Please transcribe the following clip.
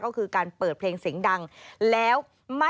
ก็คือการเปิดเพลงเสียงดังแล้วไม่สนใจเมื่อผู้โดยสารบอกให้จอดนะคะ